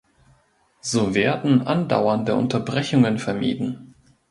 So werden andauernde Unterbrechungen vermieden.